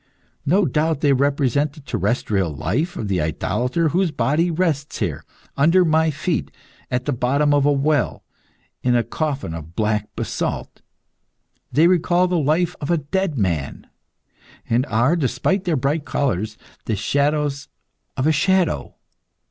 No doubt they represent the terrestrial life of the idolater whose body rests here, under my feet, at the bottom of a well, in a coffin of black basalt. They recall the life of a dead man, and are, despite their bright colours, the shadows of a shadow.